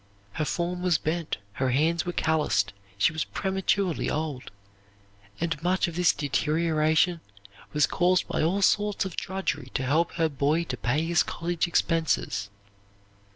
Her form was bent, her hands were calloused, she was prematurely old, and much of this deterioration was caused by all sorts of drudgery to help her boy to pay his college expenses.